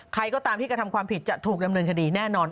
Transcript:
ใครก็ตามที่กระทำความผิดจะถูกดำเนินคดีแน่นอน